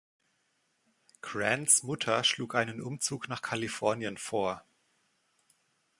Grants Mutter schlug einen Umzug nach Kalifornien vor.